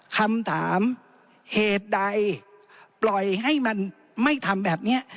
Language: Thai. คำถามเหตุใดปล่อยให้มันไม่ทำแบบนี้